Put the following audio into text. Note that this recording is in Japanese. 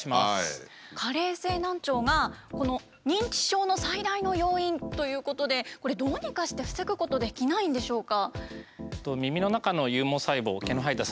加齢性難聴が認知症の最大の要因ということでこれどうにかして防ぐことできないんでしょうか？